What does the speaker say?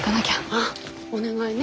ああお願いね。